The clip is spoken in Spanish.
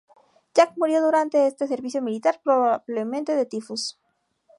Jack murió durante este servicio militar, probablemente de tifus.